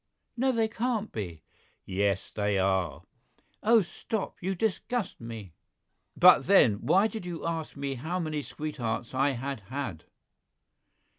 "No, they can't be!" "Yes, they are!" "Oh, stop; you disgust me!" "But then, why did you ask me how many sweethearts I had had?"